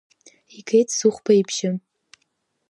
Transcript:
Игеит Зыхәба ибжьы.